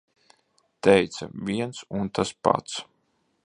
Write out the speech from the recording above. Teica - viens un tas pats.